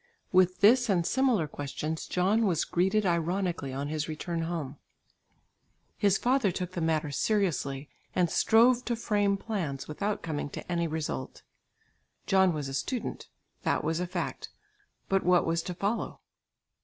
With this and similar questions John was greeted ironically on his return home. His father took the matter seriously and strove to frame plans without coming to any result. John was a student; that was a fact; but what was to follow?